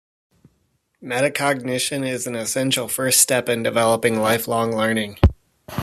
Metacognition is an essential first step in developing lifelong learning.